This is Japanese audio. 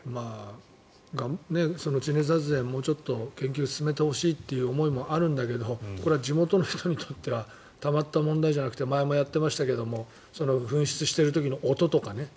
地熱発電、もうちょっと研究を進めてほしいという思いもあるんだけどこれは地元の人にとってはたまった問題じゃなくて前もやったけど噴出してる時の音とかね。